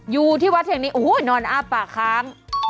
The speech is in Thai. อยู่ที่วัดแห่งนี้โอ้โหนอนอ้าปากค้างมันระบายอากาศ